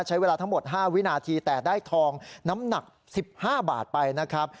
ใช้เวลาทั้งหมด๕วินาทีแต่ได้ทองน้ำหนัก๑๕บาทไปนะครับ